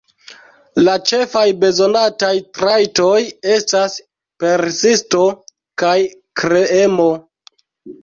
La ĉefaj bezonataj trajtoj estas persisto kaj kreemo.